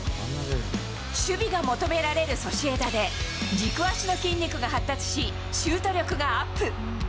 守備が求められるソシエダで、軸足の筋肉が発達し、シュート力がアップ。